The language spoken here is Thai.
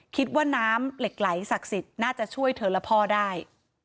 คิดว่าน้ำเหล็กไหลศักดิ์สิทธิ์น่าจะช่วยเธอและพ่อได้